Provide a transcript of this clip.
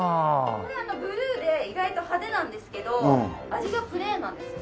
これブルーで意外と派手なんですけど味がプレーンなんですよ。